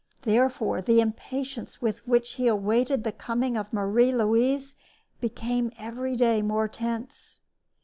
Therefore the impatience with which he awaited the coming of Marie Louise became every day more tense.